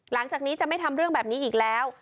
หลังจากนี้จะไม่ทำเรื่องแบบนี้อีกแล้ว